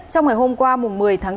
trong ngày hôm qua một mươi tháng bốn